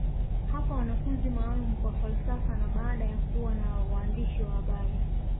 Hapa wanafunzi maalumu kwa falsafa na baada ya kuwa na waandishi wa habari